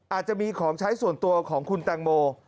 อาจจะมีของใช้ส่วนตัวของคุณแตงโม